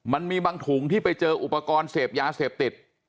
มันมีบางถุงที่ไปเจออุปกรณ์เสพยาเสพติด